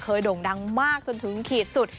โด่งดังมากจนถึงขีดสุด